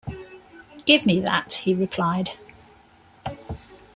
Give me that,’ he replied.